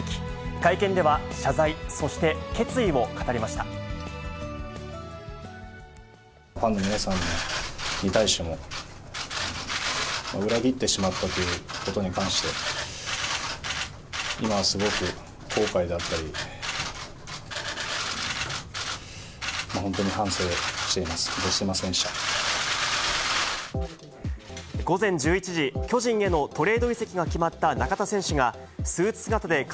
会見では、謝罪、そして決意を語ファンの皆さんに対しても、裏切ってしまったということに関して、今はすごく後悔だったり、本当に反省しています。